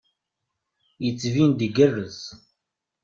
Yettbin-d igerrez.